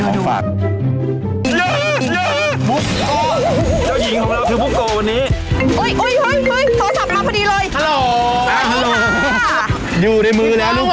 อ่าดูดูของฝาก